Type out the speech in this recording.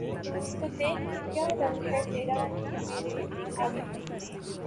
تو دیکھ کہ کیا رنگ ہے تیرا مرے آگے